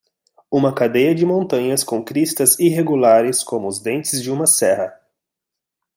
Uma cadeia de montanhas com cristas irregulares como os dentes de uma serra